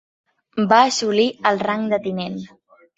Va assolir el rang de tinent.